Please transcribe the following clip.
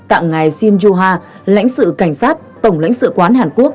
tặng ngài shin ju ha lãnh sự cảnh sát tổng lãnh sự quán hàn quốc